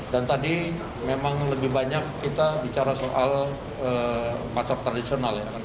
dan tadi memang lebih banyak kita bicara soal masyarakat tradisional